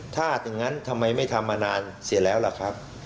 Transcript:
ถ้าอย่างนั้นทำไมไม่ทำมานานเสียแล้วล่ะครับ